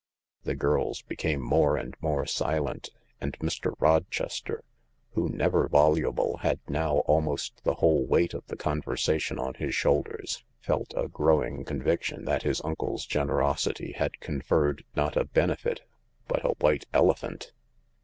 The girls became more and more silent, and Mr. Rochester, who, never voluble, had now almost the whole weight of the conversation on his shoulders, felt a growing conviction that his uncle's generosity had conferred not a benefit but a white elephant.